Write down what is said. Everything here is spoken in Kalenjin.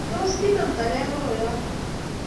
tos kinomtokei koroyoto?